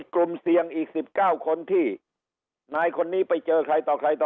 กลุ่มเสี่ยงอีก๑๙คนที่นายคนนี้ไปเจอใครต่อใครต่อ